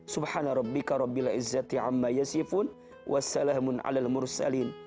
subhanarabbika rabbil a'izzati amma yasifun wassalamun ala mursalin